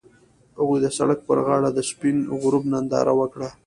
هغوی د سړک پر غاړه د سپین غروب ننداره وکړه.